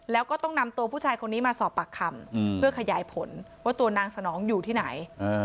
แล้วก็ต้องนำตัวผู้ชายคนนี้มาสอบปากคำเพื่อขยายผลว่าตัวนางสนองอยู่ที่ไหน